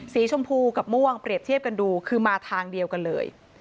สีชมพูกับม่วงเปรียบเทียบกันดูคือมาทางเดียวกันเลย